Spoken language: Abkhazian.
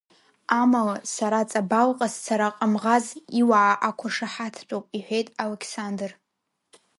Амала сара Ҵабалҟа сцара Ҟамӷаз иуаа ақәыршаҳаҭтәуп, — иҳәеит алықьсандр.